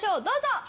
どうぞ！